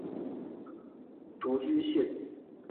独居性。